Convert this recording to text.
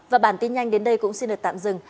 và bản tin nhanh đến đây cũng xin được tạm dừng